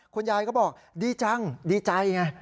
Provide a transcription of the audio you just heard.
คุณยายก็บอกดีจังดีใจไง